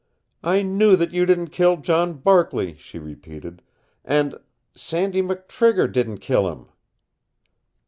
"I knew that you didn't kill John Barkley," she repeated. "And SANDY MCTRIGGER DIDN'T KILL HIM!"